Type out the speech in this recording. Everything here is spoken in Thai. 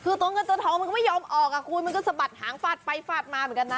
คือตัวเงินตัวทองมันก็ไม่ยอมออกอ่ะคุณมันก็สะบัดหางฟาดไปฟาดมาเหมือนกันนะ